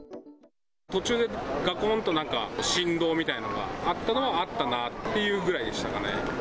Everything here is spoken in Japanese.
途中でがこんとなんか振動みたいのがあったのはあったなぁっていうぐらいでしたかね。